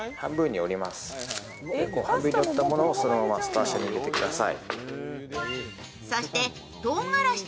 折ったものをそのままスタッシャーに入れてください。